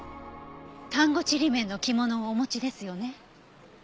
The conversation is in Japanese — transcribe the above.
丹後ちりめんの着物をお持ちですよね。